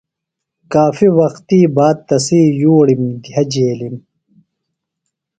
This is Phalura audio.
کافیۡ وختی باد تسی یُوڑِم دِھیہ جیلِم۔